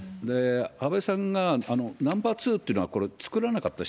安倍さんが、ナンバー２っていうのは、これ、作らなかった。